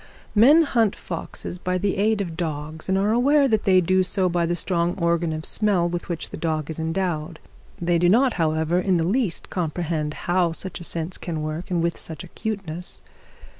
Men hunt foxes by the aid of dogs, and are aware that they do so by the strong organ of smell with which the dog is endowed. They do not, however, in the least comprehend how such a sense can work with such acuteness.